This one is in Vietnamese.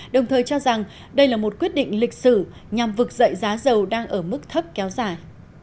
đồng thời cho rằng đây là một quyết định lịch sử nhằm vực dậy giá dầu đang ở mức thấp kéo dài